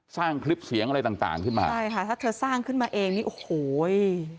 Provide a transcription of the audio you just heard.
สร้างคลิปเสียงอะไรต่างต่างขึ้นมาใช่ค่ะถ้าเธอสร้างขึ้นมาเองนี่โอ้โห